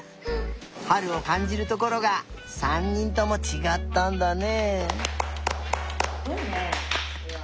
はるをかんじるところが３にんともちがったんだね。